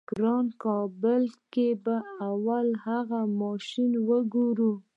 ګرانه کابل کې به اول اغه ماشين وګورې.